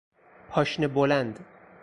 پاشنه بلند